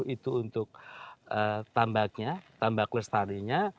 enam puluh itu untuk tambaknya tambak lestarinya